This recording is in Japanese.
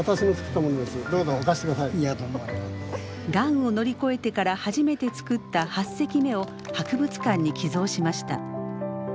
がんを乗り越えてから初めて作った８隻目を博物館に寄贈しました。